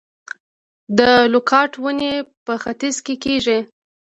د لوکاټ ونې په ختیځ کې کیږي؟